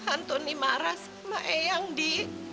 antoni marah sama eyang di